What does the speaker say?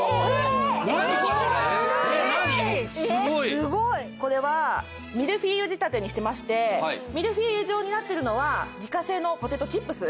すごい！これはミルフィーユ仕立てにしてましてミルフィーユ状になってるのは自家製のポテトチップス。